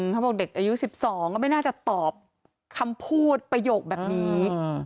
เขาบอกเด็กอายุ๑๒ก็ไม่น่าจะตอบคำพูดประโยคแบบนี้